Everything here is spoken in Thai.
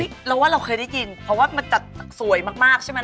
เราว่าเราเคยได้ยินเพราะว่ามันจะสวยมากใช่ไหม